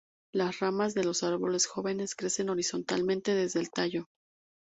Las ramas de los árboles jóvenes crecen horizontalmente desde el tallo.